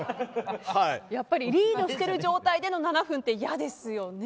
やっぱりリードしてる状態での７分は嫌ですね。